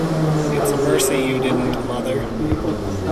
It's a mercy you didn't, mother!